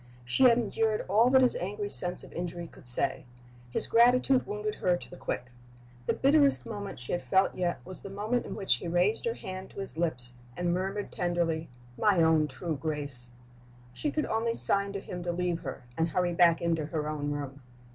She had endured all that his angry sense of injury could say. His gratitude wounded her to the quick. The bitterest moment she had felt yet was the moment in which he raised her hand to his lips, and murmured tenderly, "My own true Grace!" She could only sign to him to leave her, and hurry back into her own room.